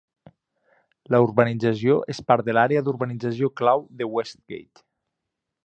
La urbanització és part de l'Àrea d'Urbanització Clau de Westgate.